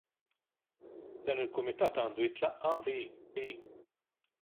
Dan il-kumitat għandu jiltaqa' fil-jiem li ġejjin.